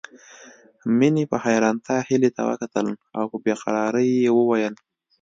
مينې په حيرانتيا هيلې ته وکتل او په بې قرارۍ يې وويل